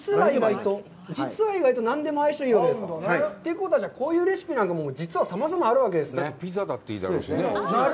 実は、意外と何とでも相性がいいわけですね。ということは、こういうレシピなんかも実はさまざまあるわけですね。